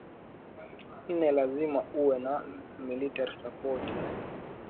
nne lazima uwe na military support eeh